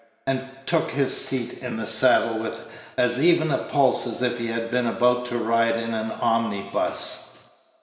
and took his seat in the saddle with as even a pulse as if he had been about to ride in an omnibus.